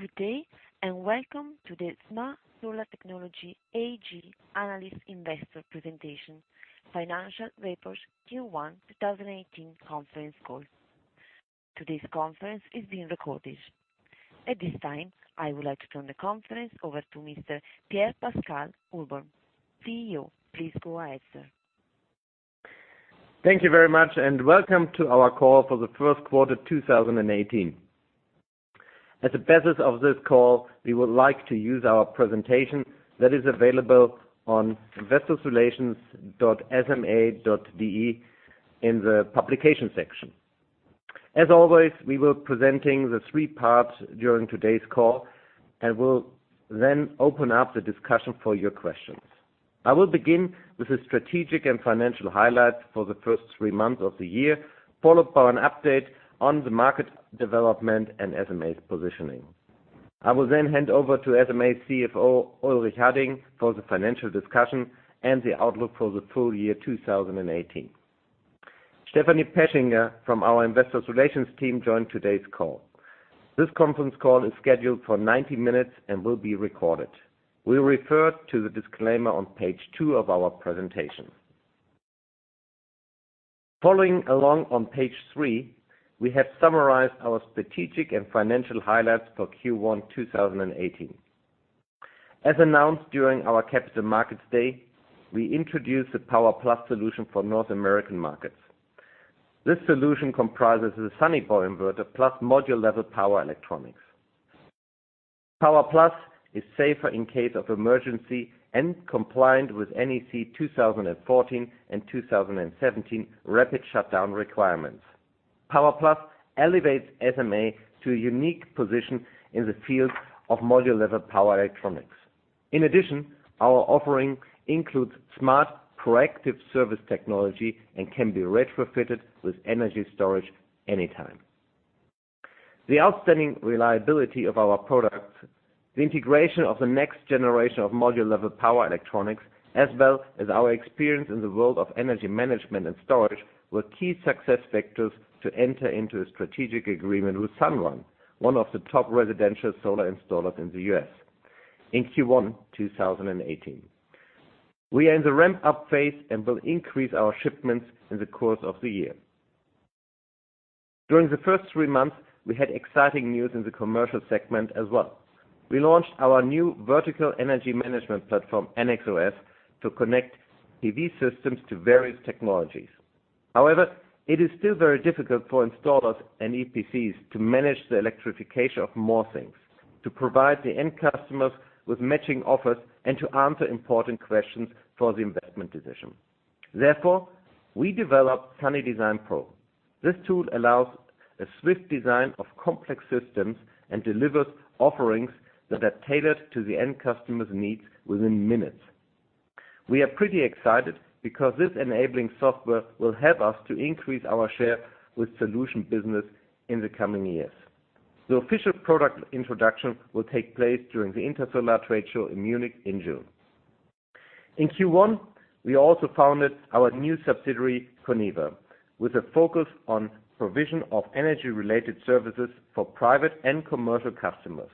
Good day. Welcome to the SMA Solar Technology AG analyst investor presentation, financial reports Q1 2018 conference call. Today's conference is being recorded. At this time, I would like to turn the conference over to Mr. Pierre-Pascal Urbon, CEO. Please go ahead, sir. Thank you very much. Welcome to our call for the first quarter 2018. As a basis of this call, we would like to use our presentation that is available on investorsrelations.sma.de in the publication section. As always, we will be presenting the three parts during today's call and will then open up the discussion for your questions. I will begin with the strategic and financial highlights for the first three months of the year, followed by an update on the market development and SMA's positioning. I will then hand over to SMA's CFO, Ulrich Hadding, for the financial discussion and the outlook for the full year 2018. Stephanie Petschinger from our Investor Relations team joined today's call. This conference call is scheduled for 90 minutes and will be recorded. We refer to the disclaimer on page two of our presentation. Following along on page three, we have summarized our strategic and financial highlights for Q1 2018. As announced during our Capital Markets Day, we introduced the Power+ Solution for North American markets. This Solution comprises the Sunny Boy inverter plus module level power electronics. Power+ is safer in case of emergency and compliant with NEC 2014 and 2017 rapid shutdown requirements. Power+ elevates SMA to a unique position in the field of module level power electronics. In addition, our offering includes smart proactive service technology and can be retrofitted with energy storage anytime. The outstanding reliability of our products, the integration of the next generation of module level power electronics, as well as our experience in the world of energy management and storage, were key success factors to enter into a strategic agreement with Sunrun, one of the top residential solar installers in the U.S. in Q1 2018. We are in the ramp-up phase and will increase our shipments in the course of the year. During the first three months, we had exciting news in the commercial segment as well. We launched our new vertical energy management platform, ennexOS, to connect PV systems to various technologies. However, it is still very difficult for installers and EPCs to manage the electrification of more things, to provide the end customers with matching offers and to answer important questions for the investment decision. Therefore, we developed Sunny Design Pro. This tool allows a swift design of complex systems and delivers offerings that are tailored to the end customer's needs within minutes. We are pretty excited because this enabling software will help us to increase our share with solution business in the coming years. The official product introduction will take place during the Intersolar trade show in Munich in June. In Q1, we also founded our new subsidiary, coneva, with a focus on provision of energy-related services for private and commercial customers.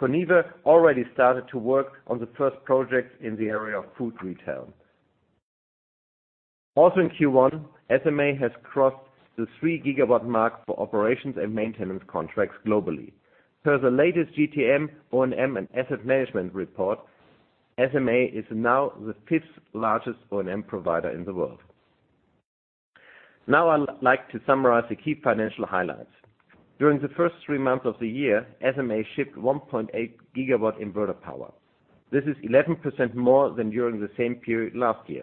coneva already started to work on the first project in the area of food retail. Also in Q1, SMA has crossed the three gigawatt mark for operations and maintenance contracts globally. Per the latest GTM O&M and asset management report, SMA is now the fifth largest O&M provider in the world. I'd like to summarize the key financial highlights. During the first three months of the year, SMA shipped 1.8 gigawatt inverter power. This is 11% more than during the same period last year.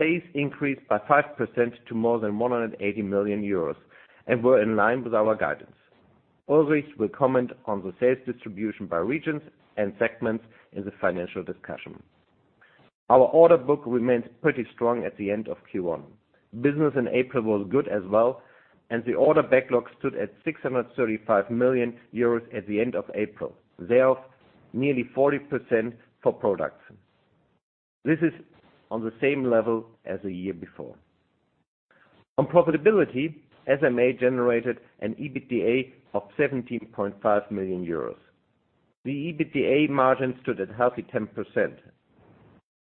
Sales increased by 5% to more than 180 million euros and were in line with our guidance. Ulrich will comment on the sales distribution by regions and segments in the financial discussion. Our order book remains pretty strong at the end of Q1. Business in April was good as well. The order backlog stood at 635 million euros at the end of April. Thereof, nearly 40% for products. This is on the same level as the year before. On profitability, SMA generated an EBITDA of 17.5 million euros. The EBITDA margin stood at healthy 10%.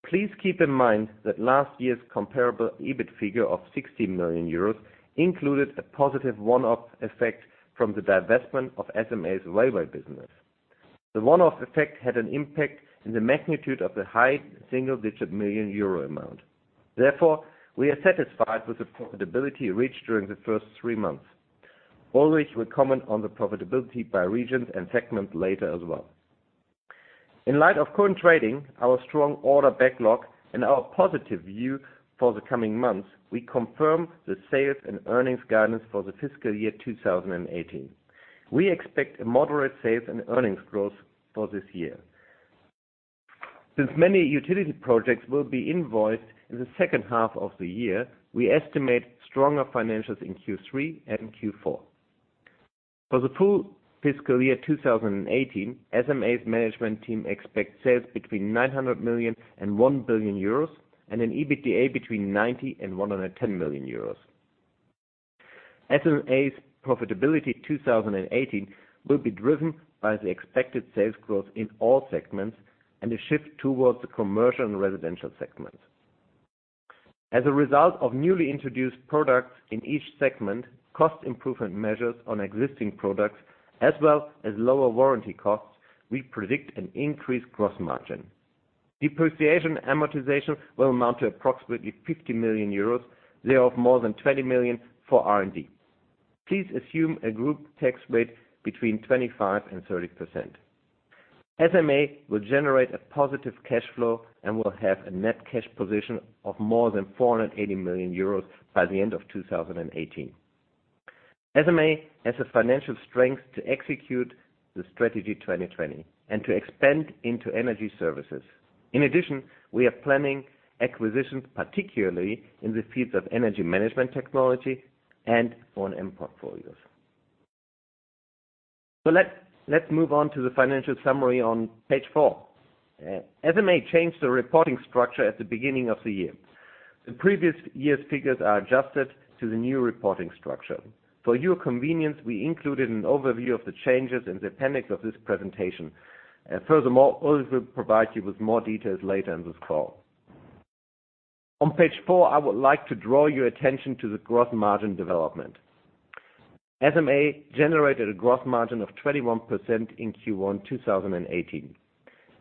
Please keep in mind that last year's comparable EBIT figure of 16 million euros included a positive one-off effect from the divestment of SMA's railway business. The one-off effect had an impact in the magnitude of the high single-digit million euro amount. Therefore, we are satisfied with the profitability reached during the first three months. Ulrich will comment on the profitability by regions and segments later as well. In light of current trading, our strong order backlog, our positive view for the coming months, we confirm the sales and earnings guidance for the fiscal year 2018. We expect a moderate sales and earnings growth for this year. Since many utility projects will be invoiced in the second half of the year, we estimate stronger financials in Q3 and Q4. For the full fiscal year 2018, SMA's management team expects sales between 900 million and 1 billion euros and an EBITDA between 90 million and 110 million euros. SMA's profitability 2018 will be driven by the expected sales growth in all segments and a shift towards the commercial and residential segments. As a result of newly introduced products in each segment, cost improvement measures on existing products, as well as lower warranty costs, we predict an increased gross margin. Depreciation amortization will amount to approximately 50 million euros, thereof more than 20 million for R&D. Please assume a group tax rate between 25% and 30%. SMA will generate a positive cash flow and will have a net cash position of more than 480 million euros by the end of 2018. SMA has the financial strength to execute the Strategy 2020 and to expand into energy services. In addition, we are planning acquisitions, particularly in the fields of energy management technology and on import portfolios. Let's move on to the financial summary on page four. SMA changed the reporting structure at the beginning of the year. The previous year's figures are adjusted to the new reporting structure. For your convenience, we included an overview of the changes in the appendix of this presentation. Furthermore, Ulrich will provide you with more details later in this call. On page four, I would like to draw your attention to the gross margin development. SMA generated a gross margin of 21% in Q1 2018.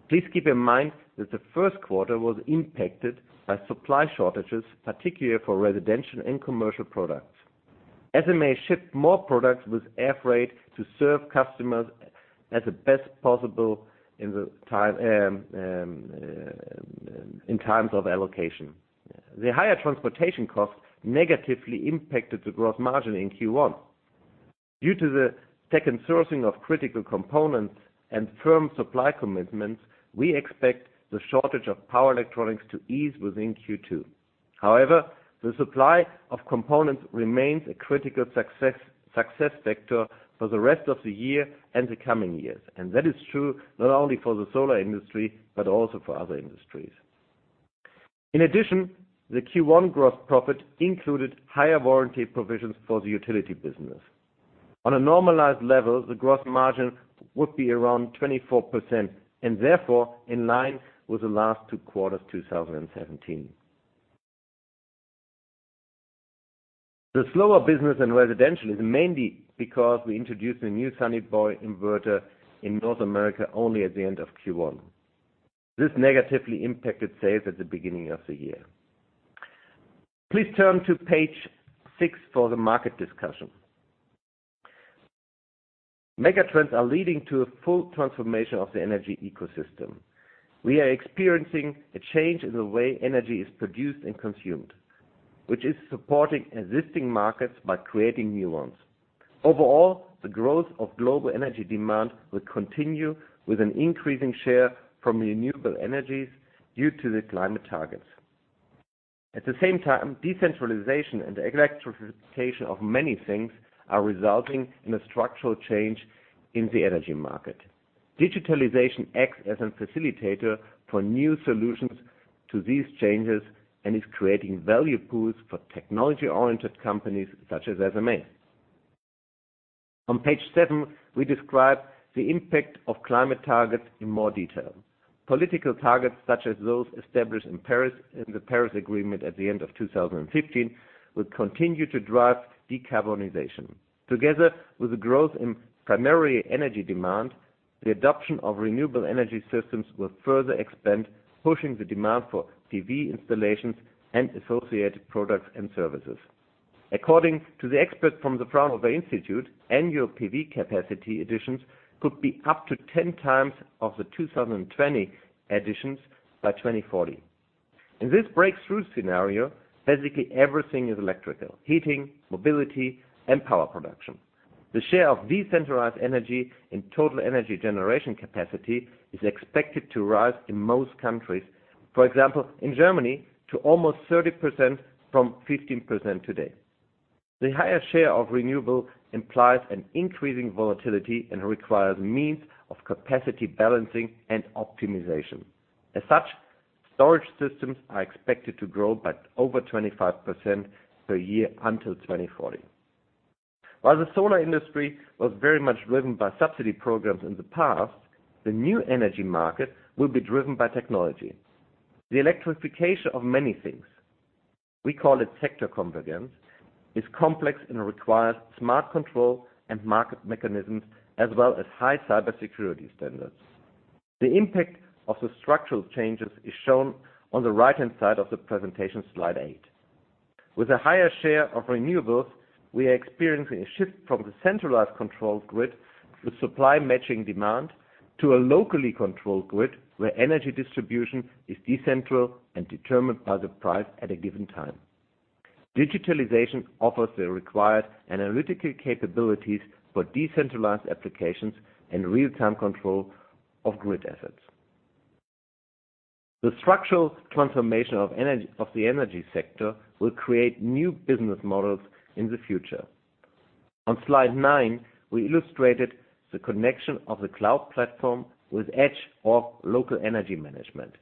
Please keep in mind that the first quarter was impacted by supply shortages, particularly for residential and commercial products. SMA shipped more products with air freight to serve customers as best possible in times of allocation. The higher transportation costs negatively impacted the gross margin in Q1. Due to the second sourcing of critical components and firm supply commitments, we expect the shortage of power electronics to ease within Q2. The supply of components remains a critical success factor for the rest of the year and the coming years. That is true not only for the solar industry, but also for other industries. In addition, the Q1 gross profit included higher warranty provisions for the utility business. On a normalized level, the gross margin would be around 24%, and therefore, in line with the last two quarters 2017. The slower business in residential is mainly because we introduced a new Sunny Boy inverter in North America only at the end of Q1. This negatively impacted sales at the beginning of the year. Please turn to page six for the market discussion. Megatrends are leading to a full transformation of the energy ecosystem. We are experiencing a change in the way energy is produced and consumed, which is supporting existing markets by creating new ones. Overall, the growth of global energy demand will continue with an increasing share from renewable energies due to the climate targets. At the same time, decentralization and electrification of many things are resulting in a structural change in the energy market. Digitalization acts as a facilitator for new solutions to these changes and is creating value pools for technology-oriented companies such as SMA. On page seven, we describe the impact of climate targets in more detail. Political targets, such as those established in the Paris Agreement at the end of 2015, will continue to drive decarbonization. Together with the growth in primary energy demand, the adoption of renewable energy systems will further expand, pushing the demand for PV installations and associated products and services. According to the experts from the Fraunhofer Institute, annual PV capacity additions could be up to 10 times of the 2020 additions by 2040. In this breakthrough scenario, basically everything is electrical: heating, mobility, and power production. The share of decentralized energy and total energy generation capacity is expected to rise in most countries. For example, in Germany, to almost 30% from 15% today. The higher share of renewable implies an increasing volatility and requires means of capacity balancing and optimization. As such, storage systems are expected to grow by over 25% per year until 2040. While the solar industry was very much driven by subsidy programs in the past, the new energy market will be driven by technology. The electrification of many things, we call it sector convergence, is complex and requires smart control and market mechanisms, as well as high cybersecurity standards. The impact of the structural changes is shown on the right-hand side of the presentation slide eight. With a higher share of renewables, we are experiencing a shift from the centralized control grid with supply matching demand to a locally controlled grid where energy distribution is decentral and determined by the price at a given time. Digitalization offers the required analytical capabilities for decentralized applications and real-time control of grid assets. The structural transformation of the energy sector will create new business models in the future. On slide nine, we illustrated the connection of the cloud platform with edge of local energy management.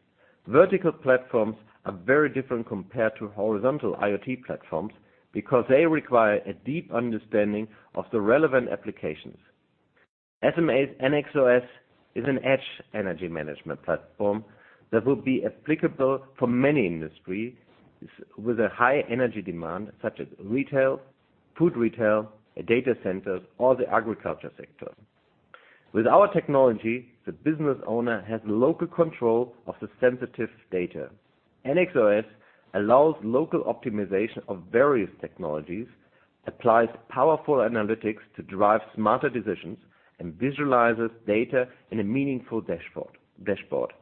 Vertical platforms are very different compared to horizontal IoT platforms because they require a deep understanding of the relevant applications. SMA's ennexOS is an edge energy management platform that will be applicable for many industries with a high energy demand, such as retail, food retail, data centers, or the agriculture sector. With our technology, the business owner has local control of the sensitive data. ennexOS allows local optimization of various technologies, applies powerful analytics to drive smarter decisions, and visualizes data in a meaningful dashboard.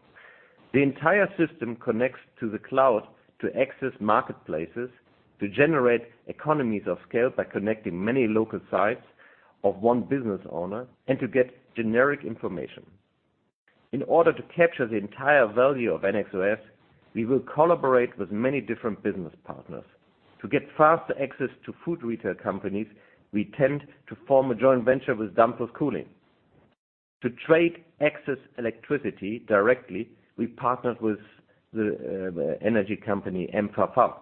The entire system connects to the cloud to access marketplaces, to generate economies of scale by connecting many local sites of one business owner, and to get generic information. In order to capture the entire value of ennexOS, we will collaborate with many different business partners. To get faster access to food retail companies, we tend to form a joint venture with Danfoss Cooling. To trade excess electricity directly, we partnered with the energy company [m4m].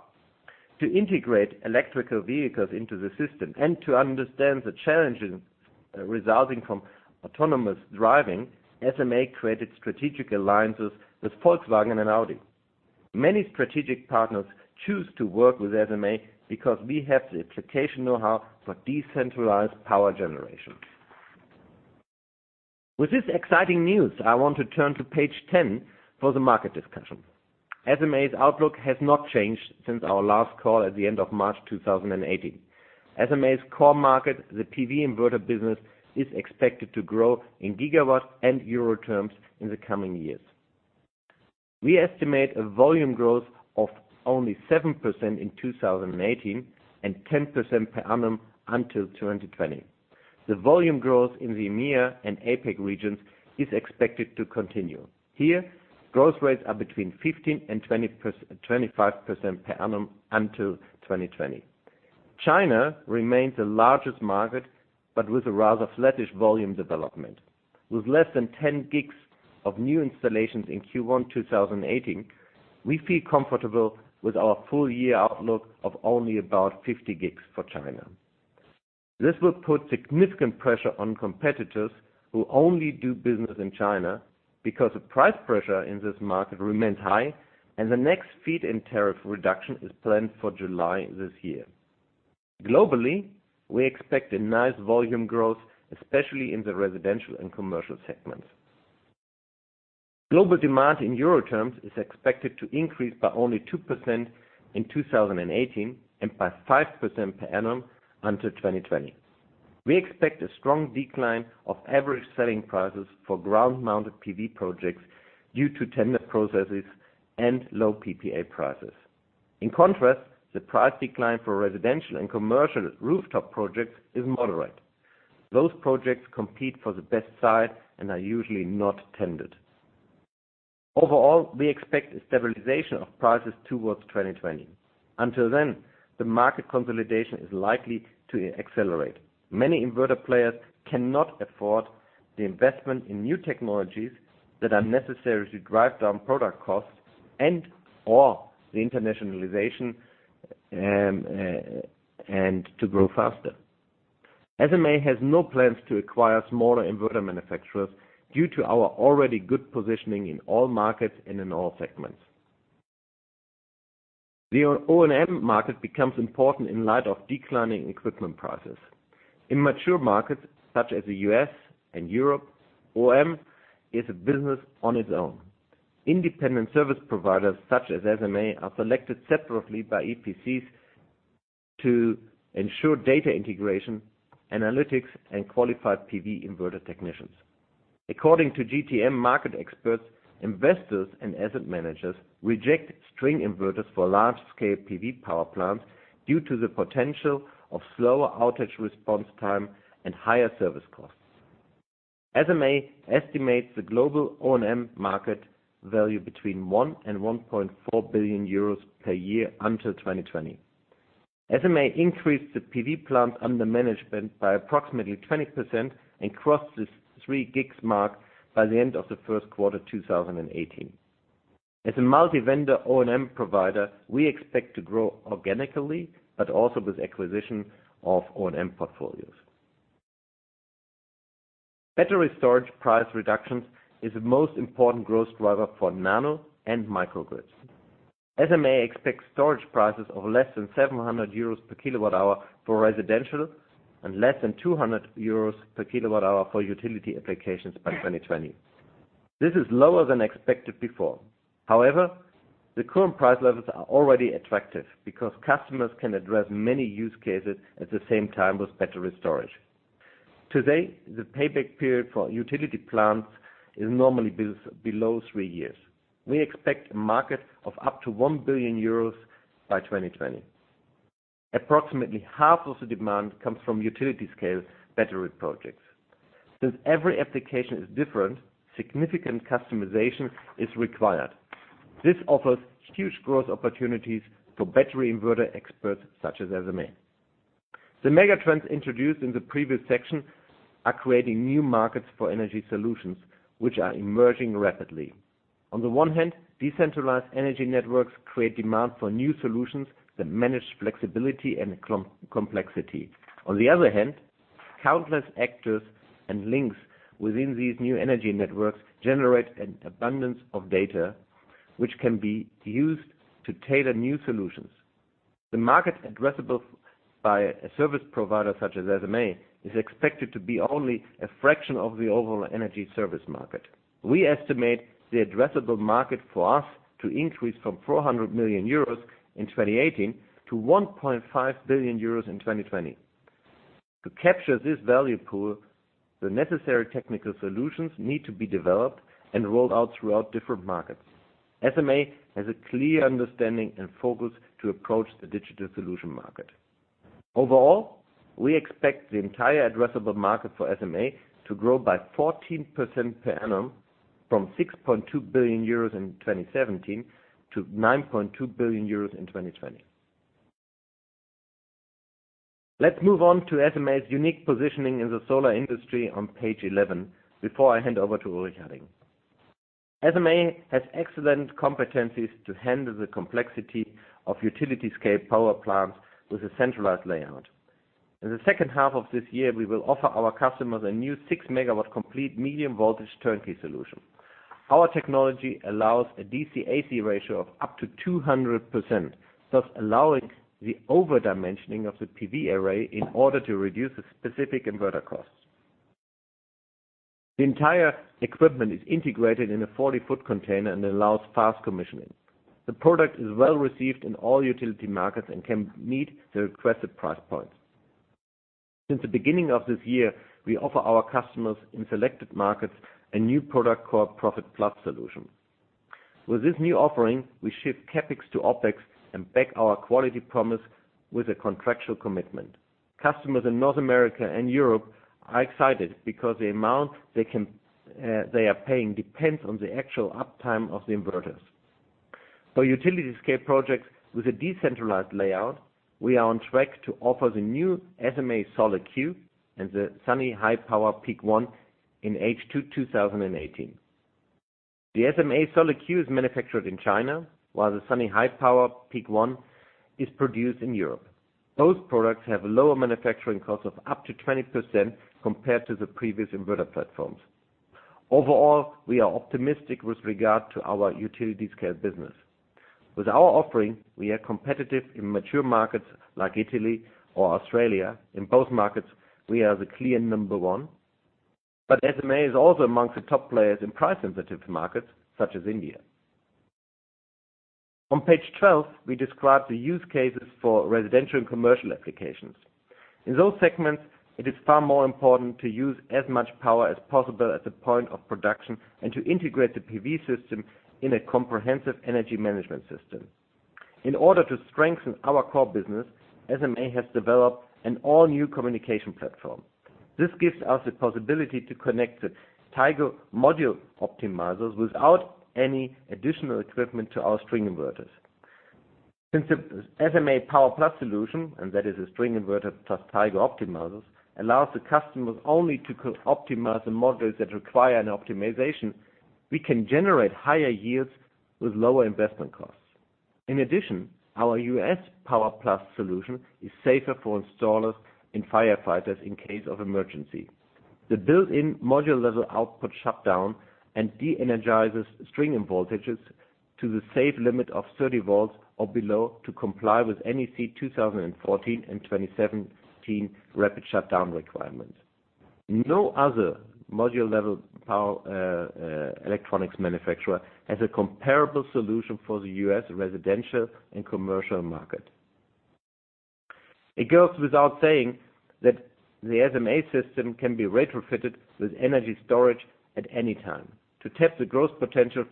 To integrate electrical vehicles into the system and to understand the challenges resulting from autonomous driving, SMA created strategic alliances with Volkswagen and Audi. Many strategic partners choose to work with SMA because we have the application knowhow for decentralized power generation. With this exciting news, I want to turn to page 10 for the market discussion. SMA's outlook has not changed since our last call at the end of March 2018. SMA's core market, the PV inverter business, is expected to grow in gigawatts and EUR terms in the coming years. We estimate a volume growth of only 7% in 2018 and 10% per annum until 2020. The volume growth in the EMEA and APAC regions is expected to continue. Here, growth rates are between 15%-25% per annum until 2020. China remains the largest market, but with a rather flattish volume development. With less than 10 gigs of new installations in Q1 2018, we feel comfortable with our full year outlook of only about 50 gigs for China. This will put significant pressure on competitors who only do business in China because the price pressure in this market remains high and the next feed-in tariff reduction is planned for July this year. Globally, we expect a nice volume growth, especially in the residential and commercial segments. Global demand in EUR terms is expected to increase by only 2% in 2018 and by 5% per annum until 2020. We expect a strong decline of average selling prices for ground-mounted PV projects due to tender processes and low PPA prices. In contrast, the price decline for residential and commercial rooftop projects is moderate. Those projects compete for the best site and are usually not tendered. Overall, we expect a stabilization of prices towards 2020. Until then, the market consolidation is likely to accelerate. Many inverter players cannot afford the investment in new technologies that are necessary to drive down product costs and/or the internationalization and to grow faster. SMA has no plans to acquire smaller inverter manufacturers due to our already good positioning in all markets and in all segments. The O&M market becomes important in light of declining equipment prices. In mature markets such as the U.S. and Europe, O&M is a business on its own. Independent service providers such as SMA are selected separately by EPCs to ensure data integration, analytics, and qualified PV inverter technicians. According to GTM market experts, investors and asset managers reject string inverters for large-scale PV power plants due to the potential of slower outage response time and higher service costs. SMA estimates the global O&M market value between 1 and 1.4 billion euros per year until 2020. SMA increased the PV plant under management by approximately 20% and crossed the 3 gigs mark by the end of the first quarter 2018. As a multi-vendor O&M provider, we expect to grow organically, but also with acquisition of O&M portfolios. Battery storage price reductions is the most important growth driver for nano and micro grids. SMA expects storage prices of less than 700 euros per kWh for residential and less than 200 euros per kWh for utility applications by 2020. This is lower than expected before. The current price levels are already attractive because customers can address many use cases at the same time with battery storage. Today, the payback period for utility plants is normally below 3 years. We expect a market of up to 1 billion euros by 2020. Approximately half of the demand comes from utility-scale battery projects. Every application is different, significant customization is required. This offers huge growth opportunities for battery inverter experts such as SMA. The mega trends introduced in the previous section are creating new markets for energy solutions, which are emerging rapidly. On the one hand, decentralized energy networks create demand for new solutions that manage flexibility and complexity. On the other hand, countless actors and links within these new energy networks generate an abundance of data, which can be used to tailor new solutions. The market addressable by a service provider such as SMA is expected to be only a fraction of the overall energy service market. We estimate the addressable market for us to increase from 400 million euros in 2018 to 1.5 billion euros in 2020. To capture this value pool, the necessary technical solutions need to be developed and rolled out throughout different markets. SMA has a clear understanding and focus to approach the digital solution market. Overall, we expect the entire addressable market for SMA to grow by 14% per annum from 6.2 billion euros in 2017 to 9.2 billion euros in 2020. Let's move on to SMA's unique positioning in the solar industry on page 11 before I hand over to Ulrich Hadding. SMA has excellent competencies to handle the complexity of utility-scale power plants with a centralized layout. In the second half of this year, we will offer our customers a new 6-megawatt complete medium voltage turnkey solution. Our technology allows a DC/AC ratio of up to 200%, thus allowing the over-dimensioning of the PV array in order to reduce the specific inverter costs. The entire equipment is integrated in a 40-foot container and allows fast commissioning. The product is well-received in all utility markets and can meet the requested price points. The beginning of this year, we offer our customers in selected markets a new product called Profit Plus Solution. With this new offering, we ship CapEx to OpEx and back our quality promise with a contractual commitment. Customers in North America and Europe are excited because the amount they are paying depends on the actual uptime of the inverters. For utility-scale projects with a decentralized layout, we are on track to offer the new SMA Solar Cube and the Sunny Highpower PEAK1 in H2 2018. The SMA Solar Cube is manufactured in China, while the Sunny Highpower PEAK1 is produced in Europe. Both products have lower manufacturing costs of up to 20% compared to the previous inverter platforms. Overall, we are optimistic with regard to our utility-scale business. With our offering, we are competitive in mature markets like Italy or Australia. In both markets, we are the clear number one. SMA is also amongst the top players in price-sensitive markets such as India. On page 12, we describe the use cases for residential and commercial applications. In those segments, it is far more important to use as much power as possible at the point of production and to integrate the PV system in a comprehensive energy management system. In order to strengthen our core business, SMA has developed an all-new communication platform. This gives us the possibility to connect the Tigo module optimizers without any additional equipment to our string inverters. Since the SMA Power+ Solution, and that is a string inverter plus Tigo optimizers, allows the customers only to optimize the modules that require an optimization, we can generate higher yields with lower investment costs. In addition, our U.S. Power+ Solution is safer for installers and firefighters in case of emergency. The built-in module-level output shutdown and de-energizes string voltages to the safe limit of 30 volts or below to comply with NEC 2014 and 2017 rapid shutdown requirements. No other module-level power electronics manufacturer has a comparable solution for the U.S. residential and commercial market. It goes without saying that the SMA system can be retrofitted with energy storage at any time. To tap the growth potential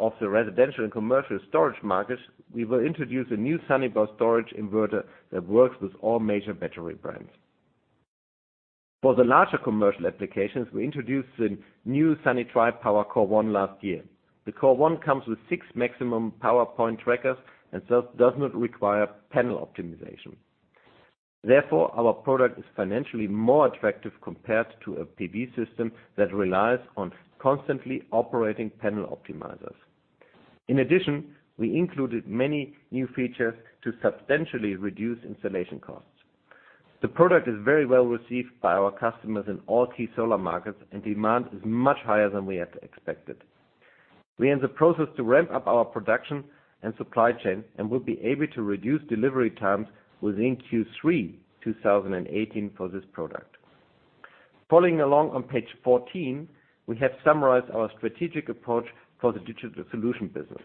of the residential and commercial storage markets, we will introduce a new Sunny Boy Storage inverter that works with all major battery brands. For the larger commercial applications, we introduced the new Sunny Tripower CORE1 last year. The CORE1 comes with six maximum PowerPoint trackers and thus does not require panel optimization. Therefore, our product is financially more attractive compared to a PV system that relies on constantly operating panel optimizers. In addition, we included many new features to substantially reduce installation costs. The product is very well received by our customers in all key solar markets, and demand is much higher than we had expected. We are in the process to ramp up our production and supply chain and will be able to reduce delivery times within Q3 2018 for this product. Following along on page 14, we have summarized our strategic approach for the digital solution business.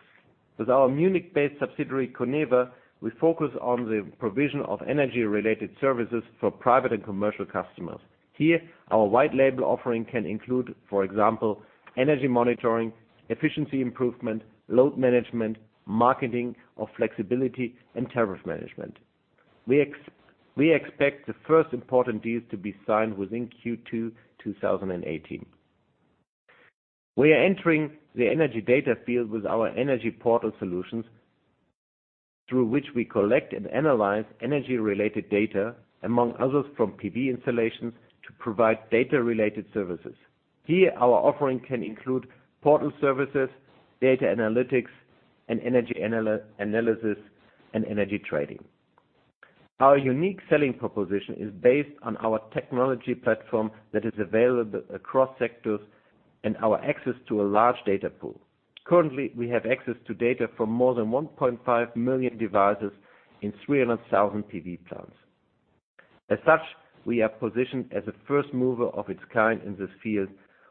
With our Munich-based subsidiary, coneva, we focus on the provision of energy-related services for private and commercial customers. Here, our white label offering can include, for example, energy monitoring, efficiency improvement, load management, marketing of flexibility, and tariff management. We expect the first important deals to be signed within Q2 2018. We are entering the energy data field with our energy portal solutions, through which we collect and analyze energy-related data, among others, from PV installations to provide data-related services. Here our offering can include portal services, data analytics, and energy analysis and energy trading. Our unique selling proposition is based on our technology platform that is available across sectors and our access to a large data pool. Currently, we have access to data from more than 1.5 million devices in 300,000 PV plants. As such, we are positioned as a first mover of its kind in this field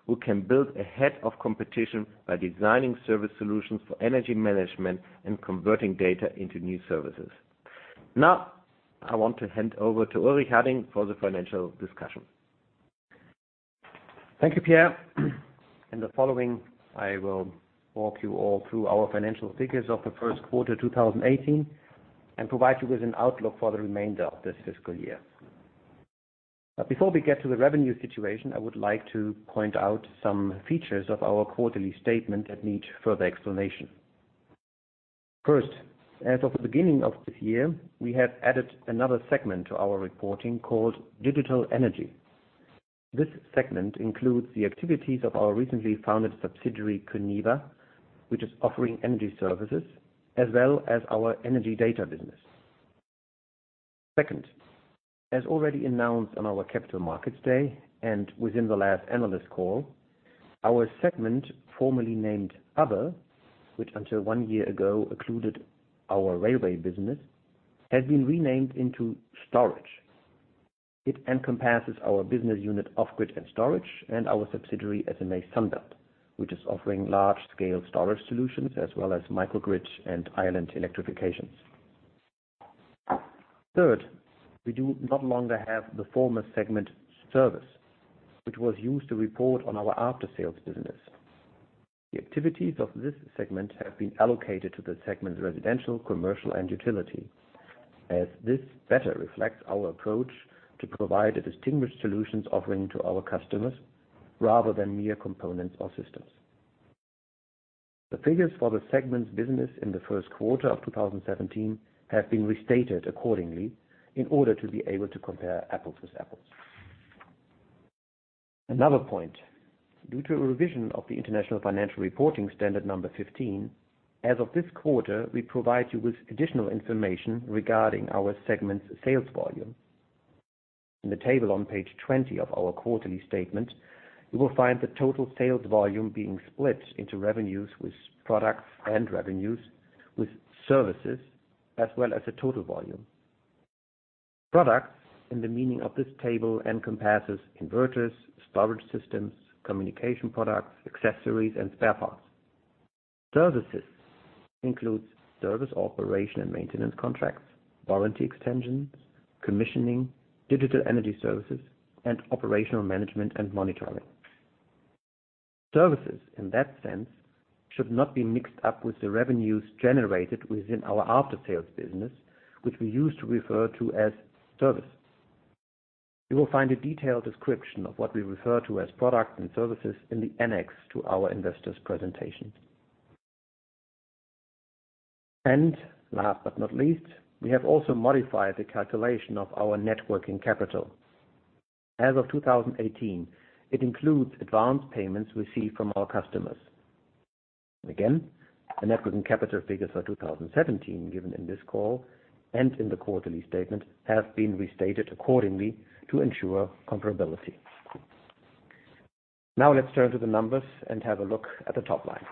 who can build ahead of competition by designing service solutions for energy management and converting data into new services. I want to hand over to Ulrich Hadding for the financial discussion. Thank you, Pierre. In the following, I will walk you all through our financial figures of the first quarter 2018 and provide you with an outlook for the remainder of this fiscal year. Before we get to the revenue situation, I would like to point out some features of our quarterly statement that need further explanation. First, as of the beginning of this year, we have added another segment to our reporting called digital energy. This segment includes the activities of our recently founded subsidiary, coneva, which is offering energy services, as well as our energy data business. Second, as already announced on our Capital Markets Day and within the last analyst call, our segment formerly named other, which until one year ago included our railway business, has been renamed into storage. It encompasses our business unit off-grid and storage and our subsidiary SMA Sunbelt Energy, which is offering large-scale storage solutions as well as microgrid and island electrifications. Third, we do no longer have the former segment service, which was used to report on our after-sales business. The activities of this segment have been allocated to the segment residential, commercial, and utility, as this better reflects our approach to provide a distinguished solutions offering to our customers rather than mere components or systems. The figures for the segment's business in the first quarter of 2017 have been restated accordingly in order to be able to compare apples with apples. Another point, due to a revision of the International Financial Reporting Standard 15, as of this quarter we provide you with additional information regarding our segment's sales volume. In the table on page 20 of our quarterly statement, you will find the total sales volume being split into revenues with products and revenues with services, as well as the total volume. Products in the meaning of this table encompasses inverters, storage systems, communication products, accessories, and spare parts. Services includes service operation and maintenance contracts, warranty extensions, commissioning, digital energy services, and operational management and monitoring. Services in that sense should not be mixed up with the revenues generated within our after-sales business, which we used to refer to as services. You will find a detailed description of what we refer to as products and services in the annex to our investors presentation. Last but not least, we have also modified the calculation of our net working capital. As of 2018, it includes advanced payments received from our customers. The net working capital figures for 2017 given in this call and in the quarterly statement have been restated accordingly to ensure comparability. Now let's turn to the numbers and have a look at the top line.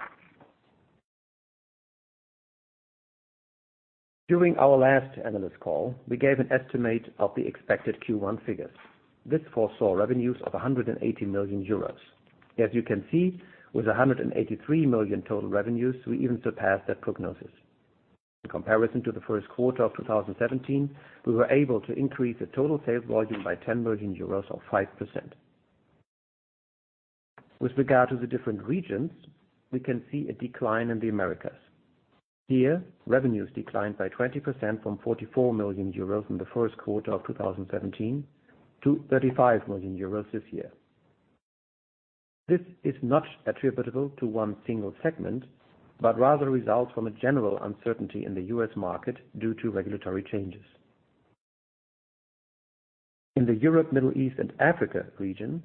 During our last analyst call, we gave an estimate of the expected Q1 figures. This foresaw revenues of 180 million euros. As you can see, with 183 million total revenues, we even surpassed that prognosis. In comparison to the first quarter of 2017, we were able to increase the total sales volume by 10 million euros or 5%. With regard to the different regions, we can see a decline in the Americas. Here, revenues declined by 20% from 44 million euros in the first quarter of 2017 to 35 million euros this year. This is not attributable to one single segment, but rather results from a general uncertainty in the U.S. market due to regulatory changes. In the Europe, Middle East, and Africa region,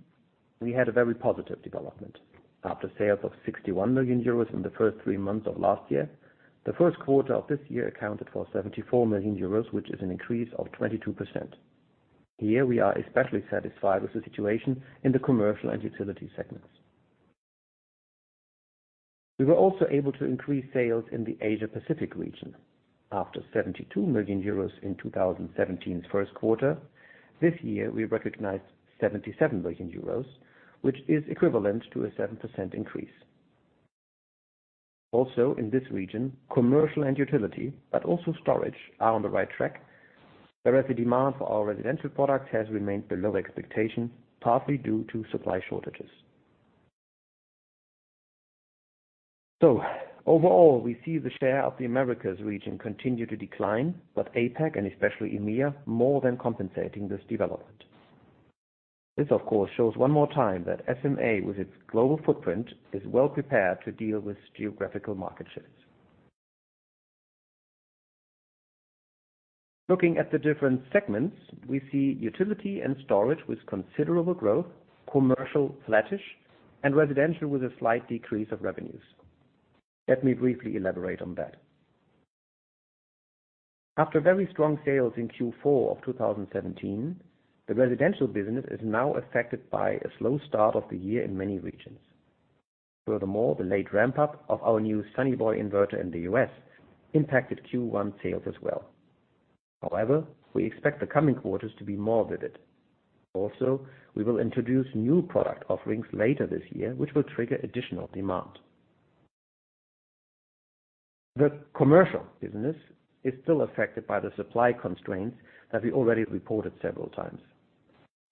we had a very positive development. After sales of 61 million euros in the first three months of last year, the first quarter of this year accounted for 74 million euros, which is an increase of 22%. Here we are especially satisfied with the situation in the commercial and utility segments. We were also able to increase sales in the Asia Pacific region. After 72 million euros in 2017's first quarter, this year we recognized 77 million euros, which is equivalent to a 7% increase. Also in this region, commercial and utility, but also storage are on the right track, whereas the demand for our residential products has remained below expectations, partly due to supply shortages. Overall, we see the share of the Americas region continue to decline, but APAC and especially EMEA more than compensating this development. This, of course, shows one more time that SMA, with its global footprint, is well prepared to deal with geographical market shifts. Looking at the different segments, we see utility and storage with considerable growth, commercial flattish, and residential with a slight decrease of revenues. Let me briefly elaborate on that. After very strong sales in Q4 of 2017, the residential business is now affected by a slow start of the year in many regions. Furthermore, the late ramp-up of our new Sunny Boy inverter in the U.S. impacted Q1 sales as well. However, we expect the coming quarters to be more vivid. Also, we will introduce new product offerings later this year, which will trigger additional demand. The commercial business is still affected by the supply constraints that we already reported several times.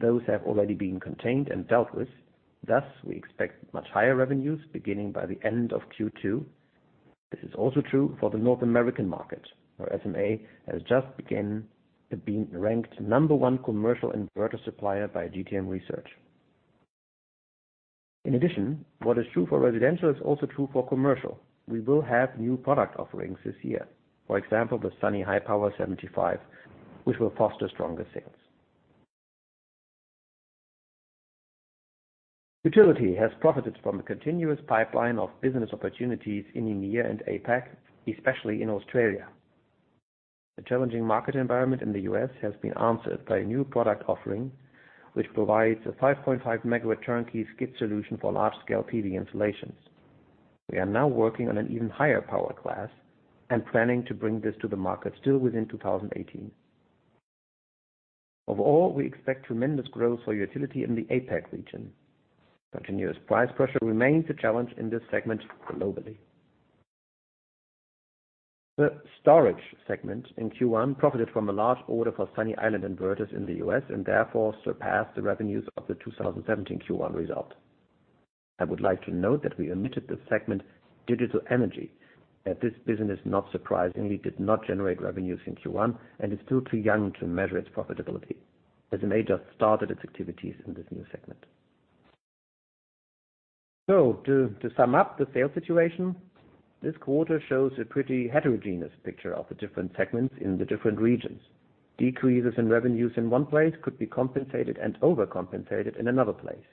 Those have already been contained and dealt with. We expect much higher revenues beginning by the end of Q2. This is also true for the North American market, where SMA has just began being ranked number 1 commercial inverter supplier by GTM Research. In addition, what is true for residential is also true for commercial. We will have new product offerings this year. For example, the Sunny Highpower 75, which will foster stronger sales. Utility has profited from a continuous pipeline of business opportunities in EMEA and APAC, especially in Australia. The challenging market environment in the U.S. has been answered by a new product offering, which provides a 5.5 MW turnkey skid solution for large-scale PV installations. We are now working on an even higher power class and planning to bring this to the market still within 2018. We expect tremendous growth for utility in the APAC region. Continuous price pressure remains a challenge in this segment globally. The storage segment in Q1 profited from a large order for Sunny Island inverters in the U.S. and therefore surpassed the revenues of the 2017 Q1 result. I would like to note that we omitted the segment digital energy, as this business, not surprisingly, did not generate revenues in Q1 and is still too young to measure its profitability as it may just started its activities in this new segment. To sum up the sales situation, this quarter shows a pretty heterogeneous picture of the different segments in the different regions. Decreases in revenues in one place could be compensated and overcompensated in another place.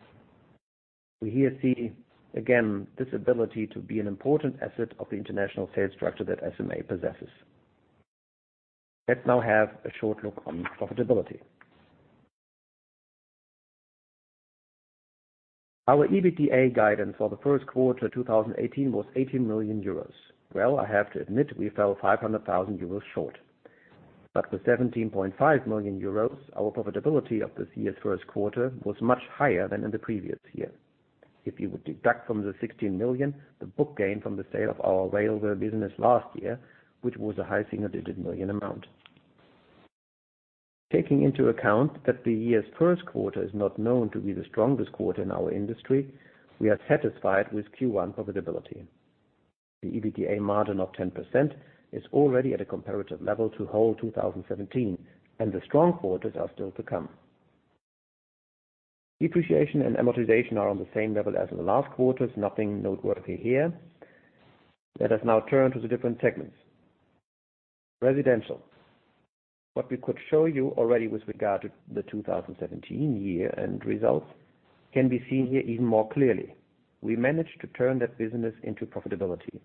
We here see, again, this ability to be an important asset of the international sales structure that SMA possesses. Let's now have a short look on profitability. Our EBITDA guidance for the first quarter 2018 was 18 million euros. I have to admit we fell 500,000 euros short. With 17.5 million euros, our profitability of this year's first quarter was much higher than in the previous year. If you would deduct from the 16 million the book gain from the sale of our railway business last year, which was a high single-digit million amount. Taking into account that the year's first quarter is not known to be the strongest quarter in our industry, we are satisfied with Q1 profitability. The EBITDA margin of 10% is already at a comparative level to whole 2017, and the strong quarters are still to come. Depreciation and amortization are on the same level as in the last quarters. Nothing noteworthy here. Let us now turn to the different segments. Residential. What we could show you already with regard to the 2017 year-end results can be seen here even more clearly. We managed to turn that business into profitability.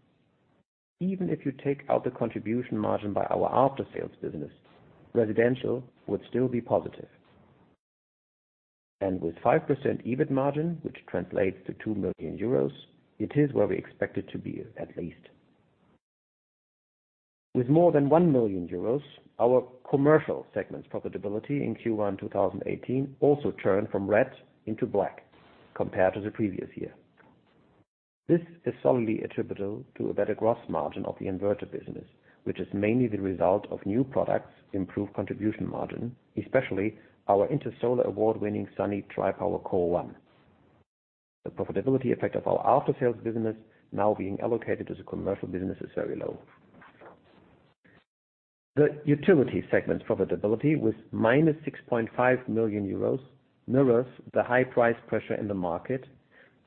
Even if you take out the contribution margin by our after-sales business, residential would still be positive. With 5% EBIT margin, which translates to 2 million euros, it is where we expect it to be at least. With more than 1 million euros, our commercial segment's profitability in Q1 2018 also turned from red into black compared to the previous year. This is solidly attributable to a better gross margin of the inverter business, which is mainly the result of new products, improved contribution margin, especially our Intersolar AWARD-winning Sunny Tripower CORE1. The profitability effect of our after-sales business now being allocated to the commercial business is very low. The utility segment's profitability with minus 6.5 million euros mirrors the high price pressure in the market,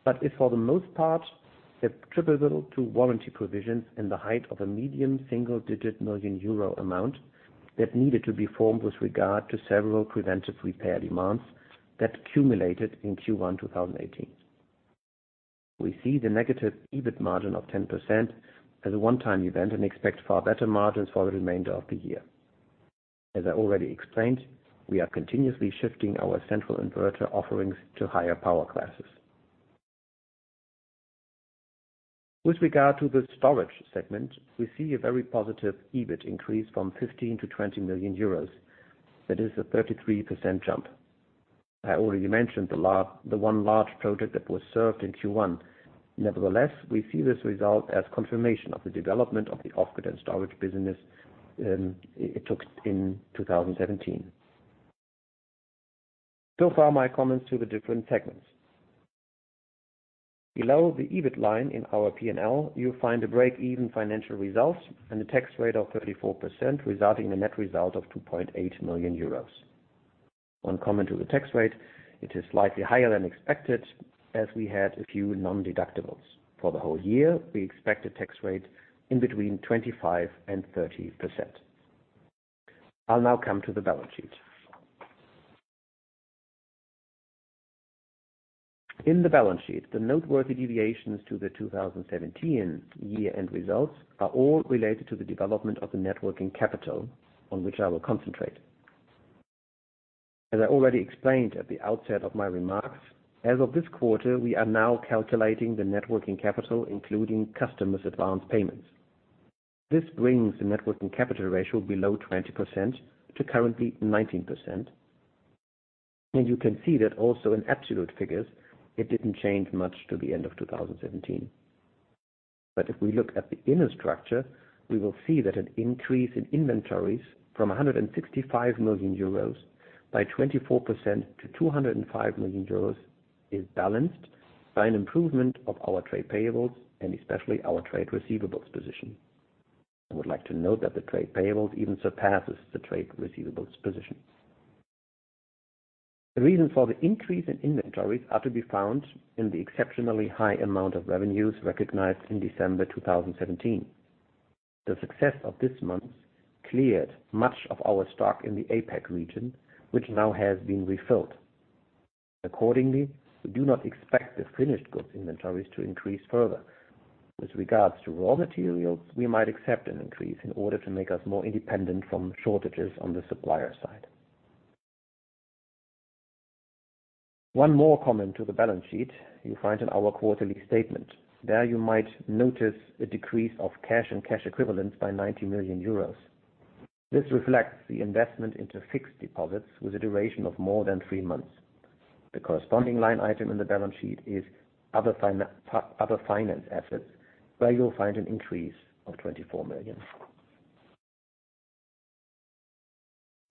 but is for the most part attributable to warranty provisions in the height of a medium single-digit million euro amount that needed to be formed with regard to several preventive repair demands that cumulated in Q1 2018. We see the negative EBIT margin of 10% as a one-time event and expect far better margins for the remainder of the year. As I already explained, we are continuously shifting our central inverter offerings to higher power classes. With regard to the storage segment, we see a very positive EBIT increase from 15 million to 20 million euros. That is a 33% jump. I already mentioned the one large project that was served in Q1. Nevertheless, we see this result as confirmation of the development of the off-grid and storage business it took in 2017. My comments to the different segments. Below the EBIT line in our P&L, you will find a break-even financial result and a tax rate of 34%, resulting in a net result of 2.8 million euros. One comment to the tax rate. It is slightly higher than expected, as we had a few non-deductibles. For the whole year, we expect a tax rate between 25% and 30%. I'll now come to the balance sheet. In the balance sheet, the noteworthy deviations to the 2017 year-end results are all related to the development of the net working capital, on which I will concentrate. As I already explained at the outset of my remarks, as of this quarter, we are now calculating the net working capital including customers' advance payments. This brings the net working capital ratio below 20% to currently 19%. You can see that also in absolute figures, it didn't change much to the end of 2017. If we look at the inner structure, we will see that an increase in inventories from 165 million euros by 24% to 205 million euros is balanced by an improvement of our trade payables and especially our trade receivables position. I would like to note that the trade payables even surpasses the trade receivables position. The reason for the increase in inventories are to be found in the exceptionally high amount of revenues recognized in December 2017. The success of this month cleared much of our stock in the APAC region, which now has been refilled. Accordingly, we do not expect the finished goods inventories to increase further. With regards to raw materials, we might accept an increase in order to make us more independent from shortages on the supplier side. One more comment to the balance sheet you find in our quarterly statement. There you might notice a decrease of cash and cash equivalents by 90 million euros. This reflects the investment into fixed deposits with a duration of more than three months. The corresponding line item in the balance sheet is other finance assets, where you'll find an increase of 24 million.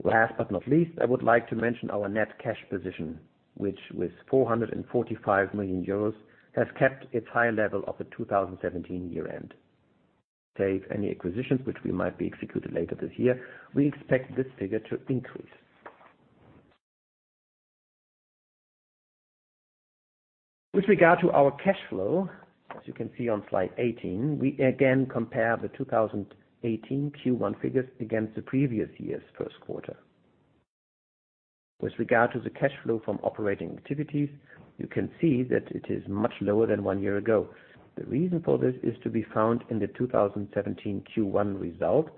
Last but not least, I would like to mention our net cash position, which with 445 million euros, has kept its high level of the 2017 year-end. Save any acquisitions which might be executed later this year, we expect this figure to increase. With regard to our cash flow, as you can see on slide 18, we again compare the 2018 Q1 figures against the previous year's first quarter. With regard to the cash flow from operating activities, you can see that it is much lower than one year ago. The reason for this is to be found in the 2017 Q1 result,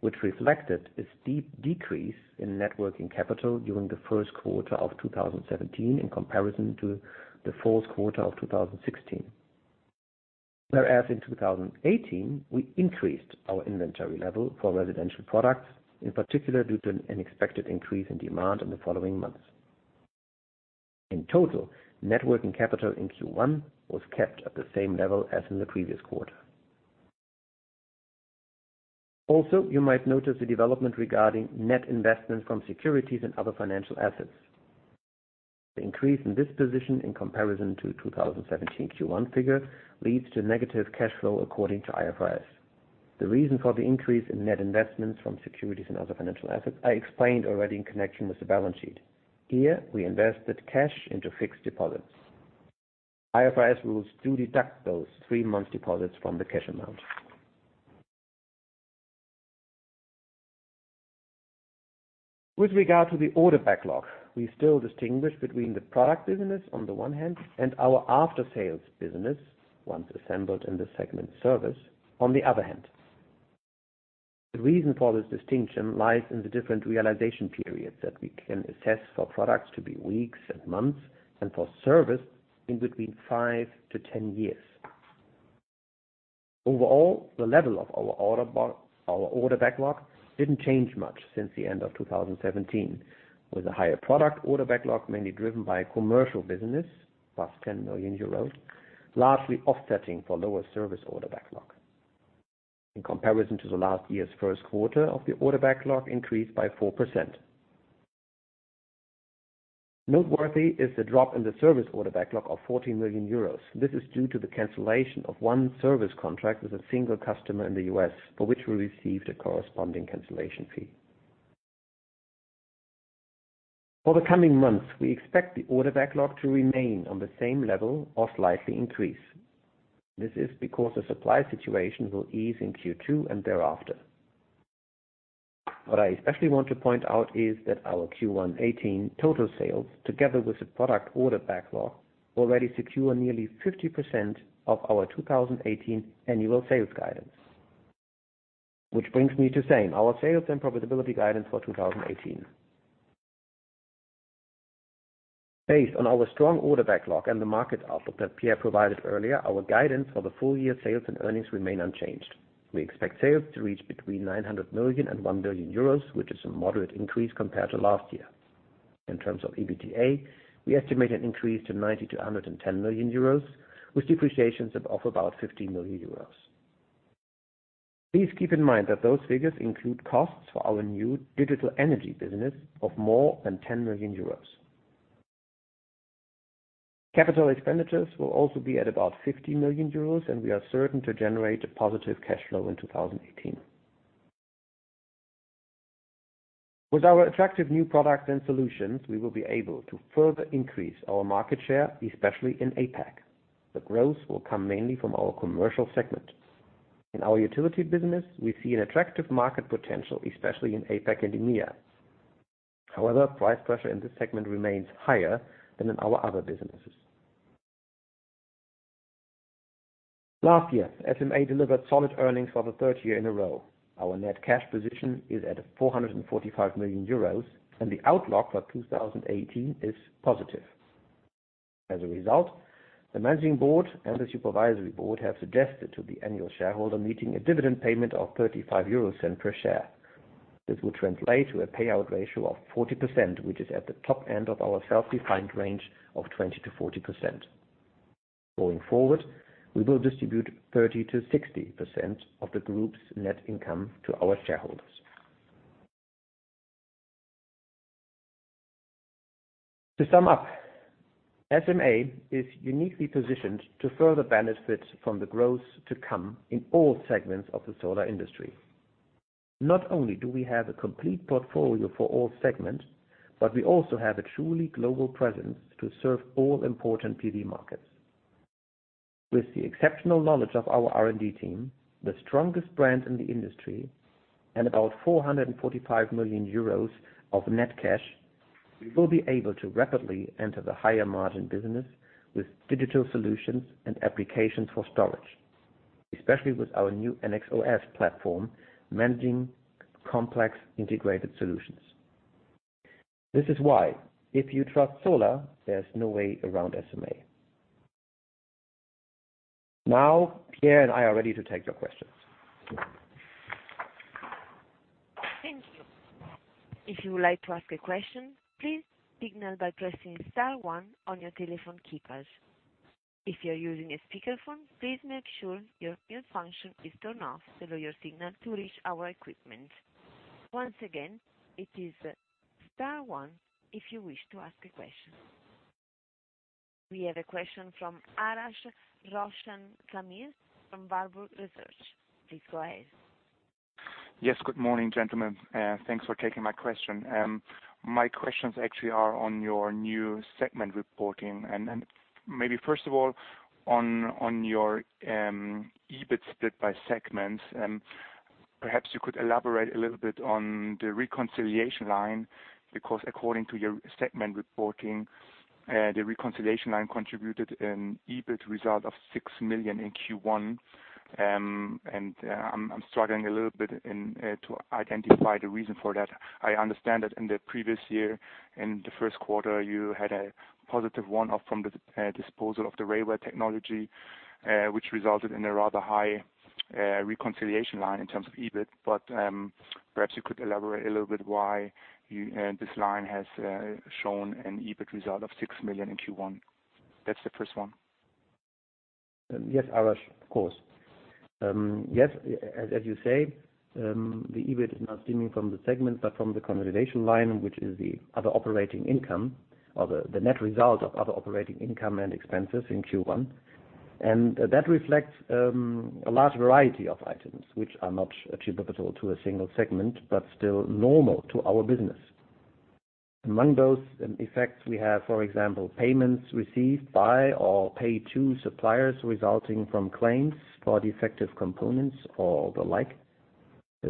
which reflected a steep decrease in net working capital during the first quarter of 2017 in comparison to the fourth quarter of 2016. Whereas in 2018, we increased our inventory level for residential products, in particular due to an expected increase in demand in the following months. In total, net working capital in Q1 was kept at the same level as in the previous quarter. Also, you might notice the development regarding net investments from securities and other financial assets. The increase in this position in comparison to 2017 Q1 figure leads to negative cash flow according to IFRS. The reason for the increase in net investments from securities and other financial assets I explained already in connection with the balance sheet. Here, we invested cash into fixed deposits. IFRS rules do deduct those three-month deposits from the cash amount. With regard to the order backlog, we still distinguish between the product business on the one hand and our after-sales business, once assembled in the segment service, on the other hand. The reason for this distinction lies in the different realization periods that we can assess for products to be weeks and months and for service in between five to 10 years. Overall, the level of our order backlog didn't change much since the end of 2017, with a higher product order backlog mainly driven by a commercial business, plus EUR 10 million, largely offsetting for lower service order backlog. In comparison to the last year's first quarter of the order backlog increased by 4%. Noteworthy is the drop in the service order backlog of 14 million euros. This is due to the cancellation of one service contract with a single customer in the U.S., for which we received a corresponding cancellation fee. For the coming months, we expect the order backlog to remain on the same level or slightly increase. This is because the supply situation will ease in Q2 and thereafter. What I especially want to point out is that our Q1 2018 total sales, together with the product order backlog, already secure nearly 50% of our 2018 annual sales guidance. Which brings me to saying our sales and profitability guidance for 2018. Based on our strong order backlog and the market outlook that Pierre provided earlier, our guidance for the full-year sales and earnings remain unchanged. We expect sales to reach between 900 million and 1 billion euros, which is a moderate increase compared to last year. In terms of EBITDA, we estimate an increase to 90 million-110 million euros, with depreciations of about 50 million euros. Please keep in mind that those figures include costs for our new digital energy business of more than 10 million euros. Capital expenditures will also be at about 50 million euros, and we are certain to generate a positive cash flow in 2018. With our attractive new products and solutions, we will be able to further increase our market share, especially in APAC. The growth will come mainly from our commercial segment. In our utility business, we see an attractive market potential, especially in APAC and EMEA. However, price pressure in this segment remains higher than in our other businesses. Last year, SMA delivered solid earnings for the third year in a row. Our net cash position is at 445 million euros and the outlook for 2018 is positive. As a result, the managing board and the supervisory board have suggested to the annual shareholder meeting a dividend payment of 0.35 per share. This will translate to a payout ratio of 40%, which is at the top end of our self-defined range of 20%-40%. Going forward, we will distribute 30%-60% of the group's net income to our shareholders. To sum up, SMA is uniquely positioned to further benefit from the growth to come in all segments of the solar industry. Not only do we have a complete portfolio for all segments, but we also have a truly global presence to serve all important PV markets. With the exceptional knowledge of our R&D team, the strongest brand in the industry, and about 445 million euros of net cash, we will be able to rapidly enter the higher margin business with digital solutions and applications for storage, especially with our new ennexOS platform managing complex integrated solutions. This is why if you trust solar, there's no way around SMA. Now, Pierre and I are ready to take your questions. Thank you. If you would like to ask a question, please signal by pressing star one on your telephone keypads. If you're using a speakerphone, please make sure your mute function is turned off below your signal to reach our equipment. Once again, it is star one if you wish to ask a question. We have a question from Arash Roshan Zamir from Warburg Research. Please go ahead. Yes. Good morning, gentlemen. Thanks for taking my question. My questions actually are on your new segment reporting and maybe first of all on your EBIT split by segments. Perhaps you could elaborate a little bit on the reconciliation line, because according to your segment reporting, the reconciliation line contributed an EBIT result of 6 million in Q1. I'm struggling a little bit to identify the reason for that. I understand that in the previous year, in the first quarter, you had a positive one off from the disposal of the railway technology, which resulted in a rather high reconciliation line in terms of EBIT. Perhaps you could elaborate a little bit why this line has shown an EBIT result of 6 million in Q1. That's the first one. Yes, Arash, of course. Yes, as you say, the EBIT is not stemming from the segment, but from the consolidation line, which is the other operating income or the net result of other operating income and expenses in Q1. That reflects a large variety of items, which are not attributable to a single segment, but still normal to our business. Among those effects we have, for example, payments received by or paid to suppliers resulting from claims for defective components or the like.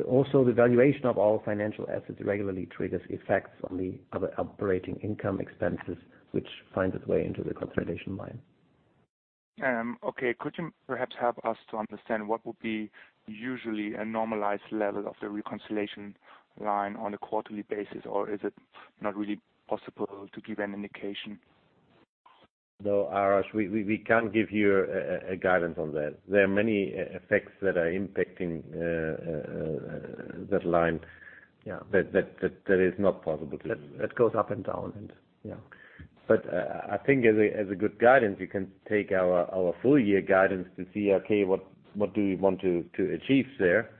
Also, the valuation of all financial assets regularly triggers effects on the other operating income expenses, which finds its way into the consolidation line. Okay. Could you perhaps help us to understand what would be usually a normalized level of the reconciliation line on a quarterly basis? Or is it not really possible to give an indication? No, Arash, we can't give you a guidance on that. There are many effects that are impacting that line. Yeah. That is not possible to do. That goes up and down. I think as a good guidance, you can take our full year guidance to see, okay, what do we want to achieve there?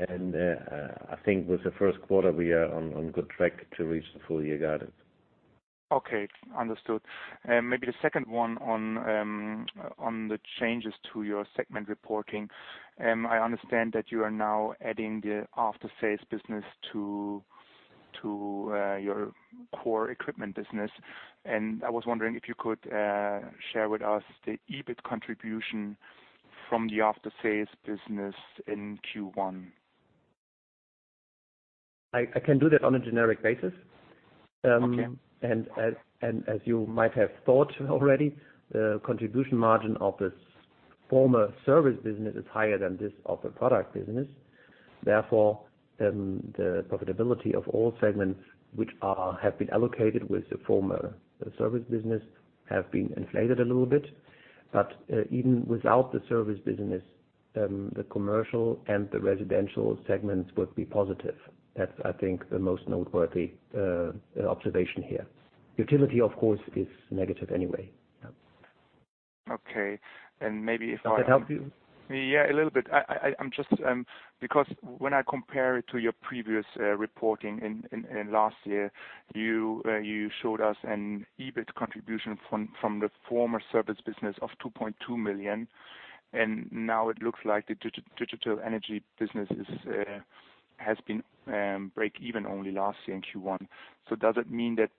I think with the first quarter, we are on good track to reach the full year guidance. Okay, understood. Maybe the second one on the changes to your segment reporting. I understand that you are now adding the after-sales business to your core equipment business. I was wondering if you could share with us the EBIT contribution from the after-sales business in Q1. I can do that on a generic basis. Okay. As you might have thought already, the contribution margin of this former service business is higher than this other product business. Therefore, the profitability of all segments, which have been allocated with the former service business, have been inflated a little bit. Even without the service business, the commercial and the residential segments would be positive. That's, I think, the most noteworthy observation here. utility, of course, is negative anyway. Yeah. Okay. Maybe. Does that help you? Yeah, a little bit. When I compare it to your previous reporting in last year, you showed us an EBIT contribution from the former service business of 2.2 million, and now it looks like the digital energy business has been break even only last year in Q1. Does it mean that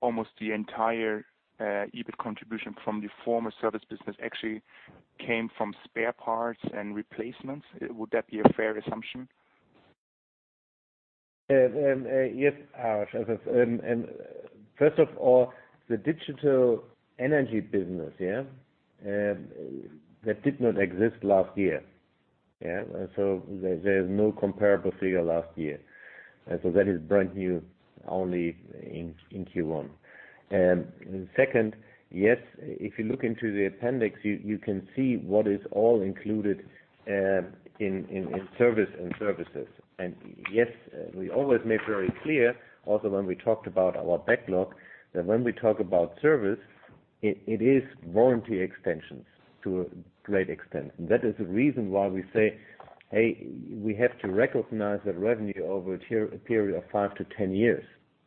almost the entire EBIT contribution from the former service business actually came from spare parts and replacements? Would that be a fair assumption? Yes, Arash. First of all, the digital energy business, that did not exist last year. There is no comparable figure last year. That is brand new only in Q1. Second, yes, if you look into the appendix, you can see what is all included in service and services. Yes, we always make very clear, also when we talked about our backlog, that when we talk about service, it is warranty extensions to a great extent. That is the reason why we say, we have to recognize that revenue over a period of 5 to 10 years.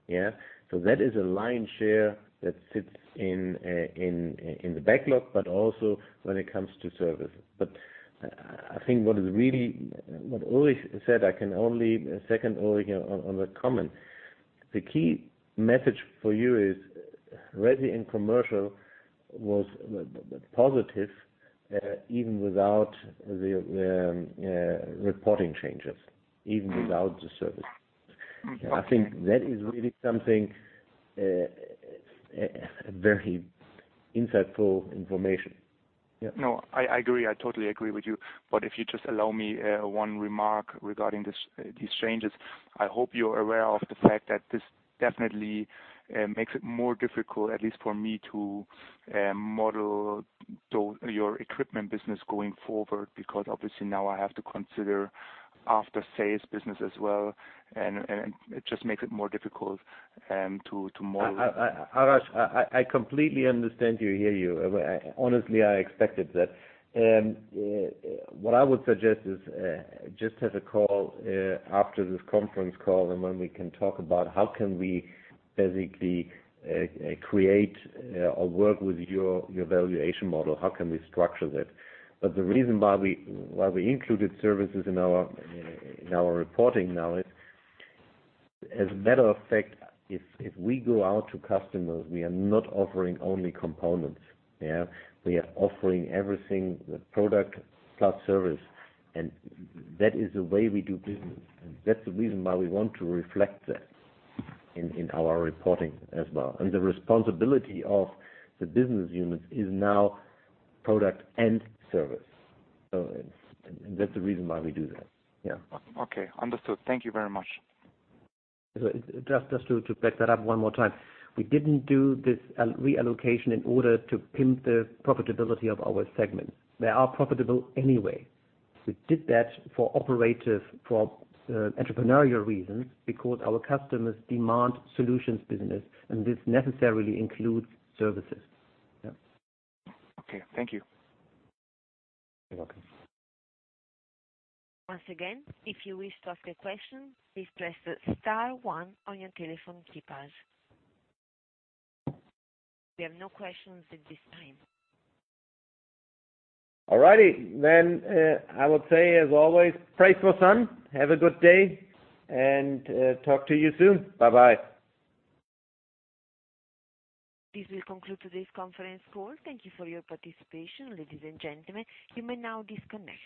That is a lion share that sits in the backlog, but also when it comes to services. I think what Ulrich said, I can only second Ulrich on the comment. The key message for you is residential and commercial was positive, even without the reporting changes, even without the service. I think that is really something, very insightful information. I agree. I totally agree with you. If you just allow me one remark regarding these changes. I hope you're aware of the fact that this definitely makes it more difficult, at least for me, to model your equipment business going forward, because obviously now I have to consider after-sales business as well, and it just makes it more difficult to model. Arash, I completely understand you here. Honestly, I expected that. What I would suggest is just have a call after this conference call and when we can talk about how can we basically create or work with your valuation model, how can we structure that? The reason why we included services in our reporting now is, as a matter of fact, if we go out to customers, we are not offering only components. We are offering everything, the product plus service. That is the way we do business. That's the reason why we want to reflect that in our reporting as well. The responsibility of the business units is now product and service. That's the reason why we do that. Okay. Understood. Thank you very much. Just to back that up one more time. We didn't do this reallocation in order to pimp the profitability of our segments. They are profitable anyway. We did that for operative, for entrepreneurial reasons because our customers demand solutions business, and this necessarily includes services. Yeah. Okay. Thank you. You're welcome. Once again, if you wish to ask a question, please press the star one on your telephone keypad. We have no questions at this time. All right. I would say, as always, pray for sun. Have a good day, and talk to you soon. Bye-bye. This will conclude today's conference call. Thank you for your participation, ladies and gentlemen. You may now disconnect.